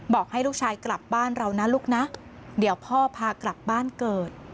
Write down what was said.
บอกให้ลูกชายกลับบ้านเรานะลูกนะเดี๋ยวพ่อพากลับบ้านเกิด